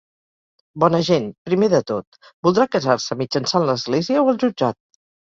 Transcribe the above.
Bona gent, primer de tot, voldrà casar-se mitjançant l'església o el jutjat?